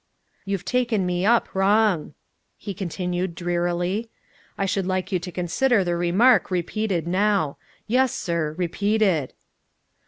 "You've taken me up wrong," he continued drearily. "I should like you to consider the remark repeated now. Yes, sir, repeated."